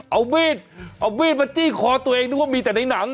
เอามีดเอามีดมาจี้คอตัวเองนึกว่ามีแต่ในหนัง